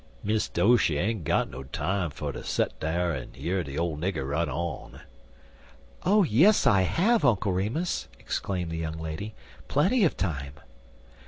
"Miss Doshy ain't got no time fer ter set dar an' year de ole nigger run on." "Oh, yes, I have, Uncle Remus!" exclaimed the young lady; "plenty of time."